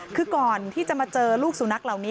คือก่อนที่จะมาเจอลูกสุนัขเหล่านี้